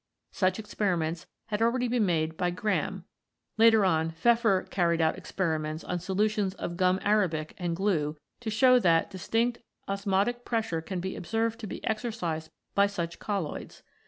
Such experiments had already been made by Graham. Later on, Pfeffer carried out experiments on solutions of gum arabic and glue, to show that distinct osmotic pressure can be observed to be exercised by such colloids.